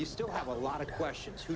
masih banyak pertanyaan